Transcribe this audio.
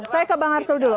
saya ke bang arsul dulu